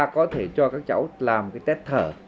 có thể cho các cháu làm cái test thở